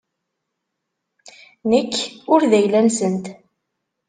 Nekk ur d ayla-nsent.